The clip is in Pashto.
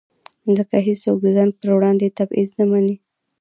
ځکه هېڅوک د ځان پر وړاندې تبعیض نه مني.